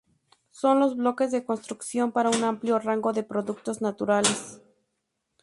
Son los bloques de construcción para un amplio rango de productos naturales.